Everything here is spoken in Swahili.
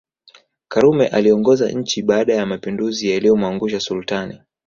Karume aliongoza nchi baada ya mapinduzi yaliyomwangusha Sultani